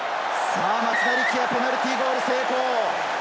松田力也、ペナルティーゴール成功。